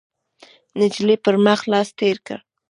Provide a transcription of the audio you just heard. ، نجلۍ پر مخ لاس تېر کړ،